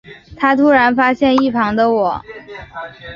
他突然发现一旁的我